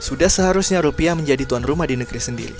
sudah seharusnya rupiah menjadi tuan rumah di negeri sendiri